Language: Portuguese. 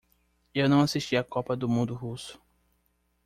Eu não assisti a copa do mundo russo.